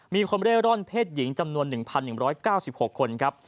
มีคนเร่ร่อนเพศหญิงจำนวน๑๑๙๖คนครับ